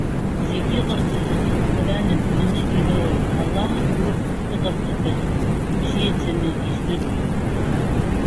Зегьы иҟарҵаз ацымхәра нагӡаны ироуеит. Аллаҳ, урҭ иҟарҵақәаз ибзиаӡаны издыруа иоуп.